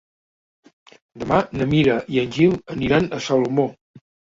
Demà na Mira i en Gil aniran a Salomó.